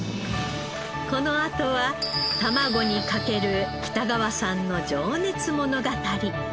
このあとはたまごにかける北川さんの情熱物語。